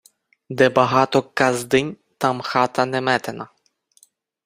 Де багато ґаздинь, там хата неметена.